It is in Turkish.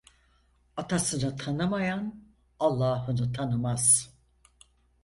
Atasını tanımayan Allah'ını tanımaz.